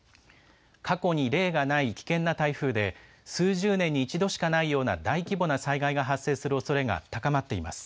過去に例がない危険な台風で、数十年に一度しかないような大規模な災害が発生するおそれが高まっています。